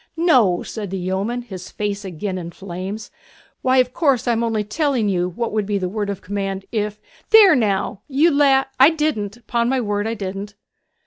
'No!' said the yeoman, his face again in flames. 'Why, of course I am only telling you what would be the word of command if there now! you la ' 'I didn't; 'pon my word I didn't!'